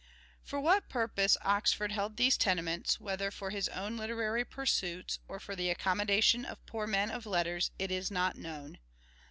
For what purpose Oxford held these tenements, whether for his own literary pui suits, or for the accommodation of poor men of letters, is not known.